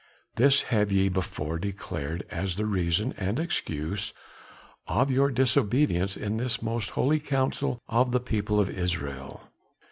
"This have ye before declared as the reason and excuse of your disobedience to this most holy council of the People of Israel.